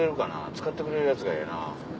使ってくれるやつがええな。